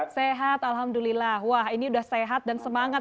sehat alhamdulillah wah ini udah sehat dan semangat